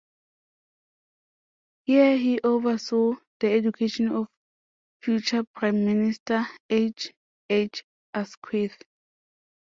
Here he oversaw the education of future Prime Minister H. H. Asquith.